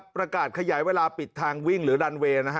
เชียงรายนะครับประกาศขยายเวลาปิดทางวิ่งหรือรันเวย์นะฮะ